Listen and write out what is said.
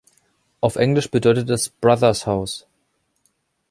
Auf Englisch bedeutet es "Brother's House".